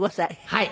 はい。